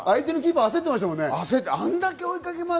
相手のキーパー、焦ってましたもんね。